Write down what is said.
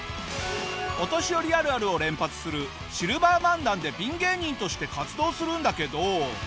お年寄りあるあるを連発するシルバー漫談でピン芸人として活動するんだけど。